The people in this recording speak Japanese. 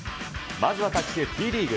まずは卓球Ｔリーグ。